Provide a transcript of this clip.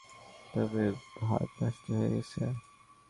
তবে ভাত নষ্ট হয়ে গেছে।